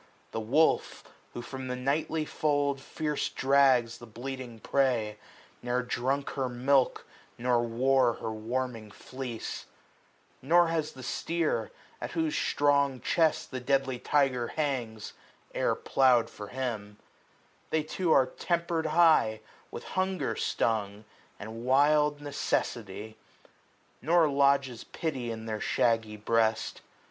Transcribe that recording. The wolf, who from the nightly fold Fierce drags the bleating prey, ne'er drunk her milk Nor wore her warming fleece : Nor has the steer. At whose strong chest the deadly tyger hangs. E'er plow'd for him. They too are tempered high, 345 With hunger stung, and wild necessity j Nor lodges pity in their shaggy breast.